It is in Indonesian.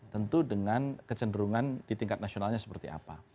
tentu dengan kecenderungan di tingkat nasionalnya seperti apa